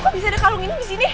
bisa ada kalung ini di sini